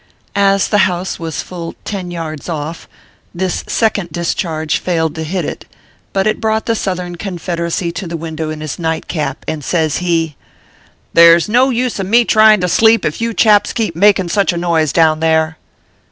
As the house was full ten yards off, this second dis charge failed to hit it ; but it brought the Southern Confederacy to the window in his night cap, and says he: " There s no use of rny trying to sleep, if you chaps keep making such a noise down there."